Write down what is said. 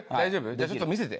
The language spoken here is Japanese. じゃあちょっと見せて。